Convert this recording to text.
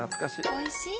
おいしい？